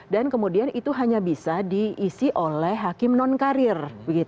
dan kemudian itu hanya bisa diisi oleh hakim non karir